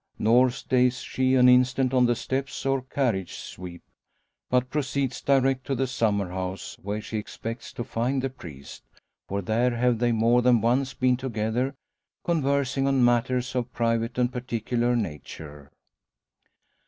Nor stays she an instant on the steps, or carriage sweep; but proceeds direct to the summer house, where she expects to find the priest. For there have they more than once been together, conversing on matters of private and particular nature.